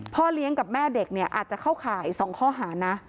พ่อเลี้ยงกับแม่เด็กเนี่ยอาจจะเข้าข่าย๒ข้อหานะ